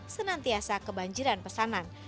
senantiasa kebanjiran pesanan